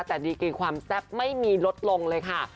แต่ดีกรีความแซ่บไม่มีลดลงเลยค่ะ